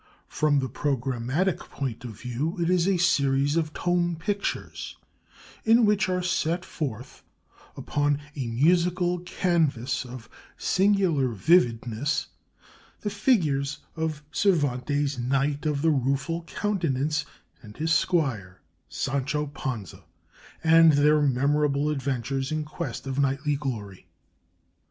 From the programmatic point of view, it is a series of tone pictures in which are set forth, upon a musical canvas of singular vividness, the figures of Cervantes' Knight of the Rueful Countenance and his squire Sancho Panza, and their memorable adventures in quest of knightly glory.